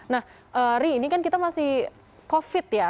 nah ri ini kan kita masih covid ya